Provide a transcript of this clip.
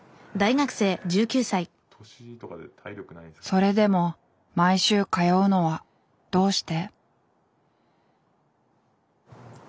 それでも毎週通うのはどうして？